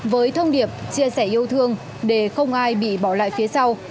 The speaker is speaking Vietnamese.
với thông điệp chia sẻ yêu thương để không ai bị bỏ lại phía sau